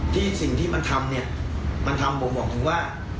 สิ่งที่สิ่งที่มันทำเนี่ยมันทำผมบอกถึงว่า